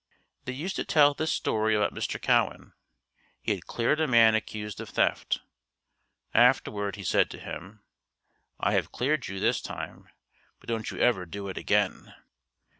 They used to tell this story about Mr. Cowen. He had cleared a man accused of theft. Afterward he said to him, "I have cleared you this time, but don't you ever do it again."